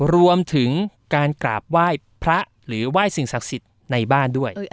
รวมถึงการกราบไหว้พระหรือไหว้สิ่งศักดิ์สิทธิ์ในบ้านด้วย